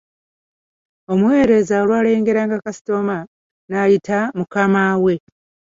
Omuweereza olwalengeranga kasitoma, n'ayita mukama we.